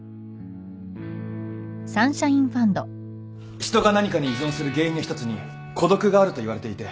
人が何かに依存する原因の一つに孤独があるといわれていて